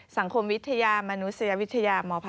สังคมวิทยามนุษยวิทยาม๘